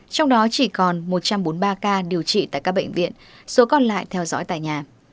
trong đó chỉ còn một trăm bốn mươi ba ca điều trị tại các bệnh viện số còn lại theo dõi tại nhà